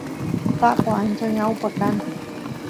taqo ancha ñawpa kan